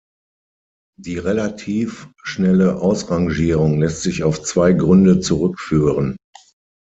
Die relative schnelle Ausrangierung lässt sich auf zwei Gründe zurückführen.